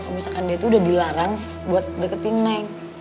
kalau misalkan dia itu udah dilarang buat deketin neng